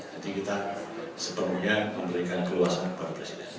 jadi kita sepenuhnya memberikan keleluasan kepada presiden